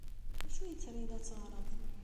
D acu i triḍ ad teɣreḍ?